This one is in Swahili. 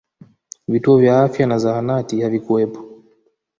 vituo vya afya na zahanati havikuwepo